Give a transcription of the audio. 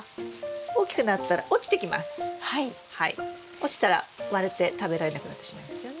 落ちたら割れて食べられなくなってしまいますよね？